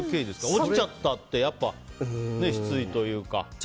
落ちちゃったってやっぱり失意というか。